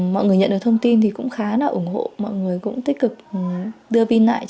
mọi người nhận được thông tin cũng khá ủng hộ mọi người cũng tích cực đưa pin lại